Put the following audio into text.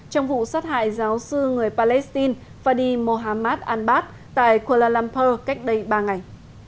trong vụ sát hại giáo sư người palestine fadi mohammad anbat tại kuala lumpur cách đây ba ngày